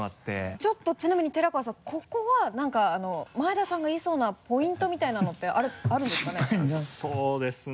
ちょっとちなみに寺川さんここは何か前田さんが言いそうなポイントみたいなのってあるんですかね？